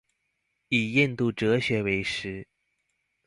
以印度哲學為師